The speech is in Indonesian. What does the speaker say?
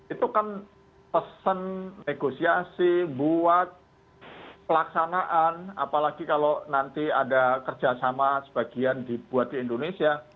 itu kan pesan negosiasi buat pelaksanaan apalagi kalau nanti ada kerjasama sebagian dibuat di indonesia